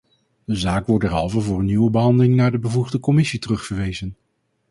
De zaak wordt derhalve voor een nieuwe behandeling naar de bevoegde commissie terugverwezen.